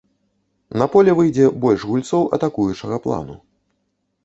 На поле выйдзе больш гульцоў атакуючага плану.